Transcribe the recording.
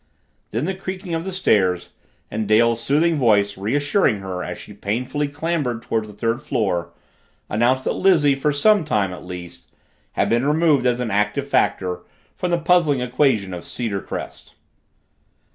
Then the creaking of the stairs, and Dale's soothing voice reassuring her as she painfully clambered toward the third floor, announced that Lizzie, for some time at least, had been removed as an active factor from the puzzling equation of Cedarcrest.